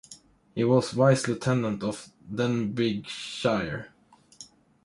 He was Vice-Lieutenant of Denbighshire.